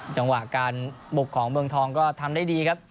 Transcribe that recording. จังหวะการบุกของเมืองทองก็ทำได้ดีครับ